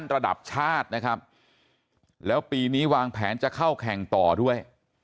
ระดับชาตินะครับแล้วปีนี้วางแผนจะเข้าแข่งต่อด้วย